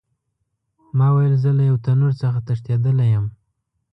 ما ویل زه له یو تنور څخه تښتېدلی یم.